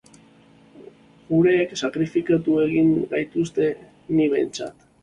Gureek sakrifikatu egin gaituzte, ni behintzat.